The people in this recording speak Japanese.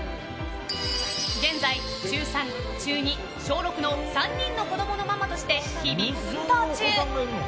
現在、中３、中２、小６の３人の子供のママとして日々奮闘中。